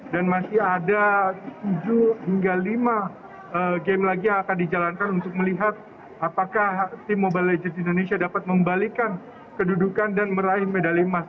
dan masih ada tujuh hingga lima game lagi yang akan dijalankan untuk melihat apakah tim mobile legends indonesia dapat membalikan kedudukan dan meraih medali emas